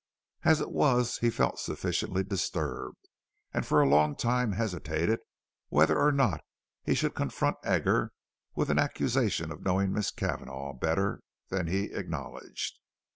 As it was, he felt sufficiently disturbed and for a long time hesitated whether or not he should confront Edgar with an accusation of knowing Miss Cavanagh better than he acknowledged.